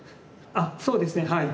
そうですねはい。